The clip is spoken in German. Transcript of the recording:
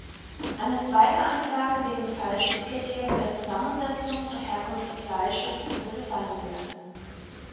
Eine zweite Anklage wegen Falsch-Etikettierung der Zusammensetzung und Herkunft des Fleisches wurde fallengelassen.